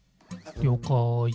りょうかい。